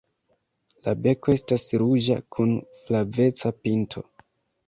La beko estas ruĝa kun flaveca pinto.